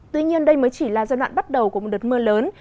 tuy nhiên đây mới chỉ là giai đoạn bắt đầu của một đợt mưa lớn